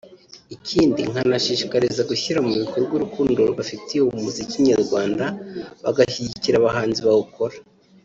ikindi nkabashishikariza gushyira mu bikorwa urukundo bafitiye umuzikinyarwanda bagashyigikiira abahanzi bawukora